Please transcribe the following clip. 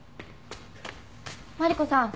マリコさん